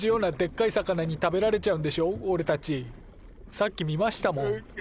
さっき見ましたもんおれ。